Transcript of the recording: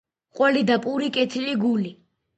ყველი და პური - კეთილი გული